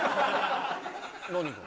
何が？